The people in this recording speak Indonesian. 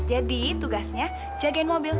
jadi tugasnya jagain mobil